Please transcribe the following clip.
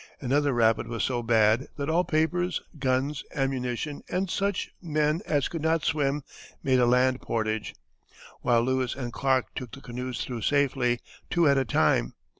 Another rapid was so bad that all papers, guns, ammunition, and such men as could not swim made a land portage, while Lewis and Clark took the canoes through safely, two at a time.